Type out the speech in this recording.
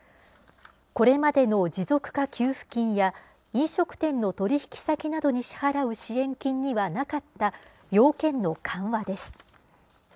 これまでの持続化給付金や、飲食店の取り引き先などに支払う支援金にはなかった要件の緩和です。